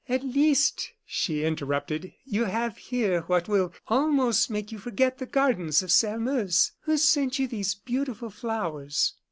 "At least," she interrupted, "you have here what will almost make you forget the gardens of Sairmeuse. Who sent you these beautiful flowers?"